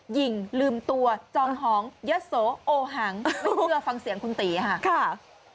หญิงลืมตัวจองหองยะโสโอหังไม่เชื่อฟังเสียงคุณตีค่ะ